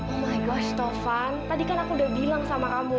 oh my goes tovan tadi kan aku udah bilang sama kamu